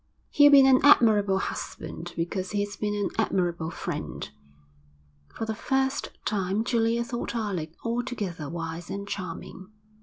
'He'll be an admirable husband because he's been an admirable friend.' For the first time Julia thought Alec altogether wise and charming.